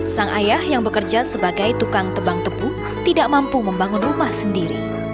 sang ayah yang bekerja sebagai tukang tebang tebu tidak mampu membangun rumah sendiri